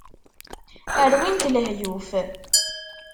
Rwin-t lehyuf.